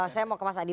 saya mau ke mas adi